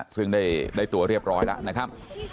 ซึ่งได้ตัวเรียบร้อยแล้วนะครับ